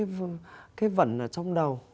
có những cái vẩn ở trong đầu